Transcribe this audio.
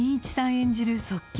演じる側近、